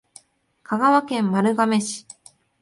香川県丸亀市